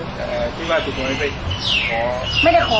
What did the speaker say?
ที่บ้านสุดมันไม่ได้ขอ